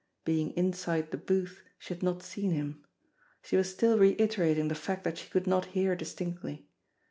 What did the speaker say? Being inside the booth, she had not seen him. She was still reiterating the fact that she could not hear distinctly.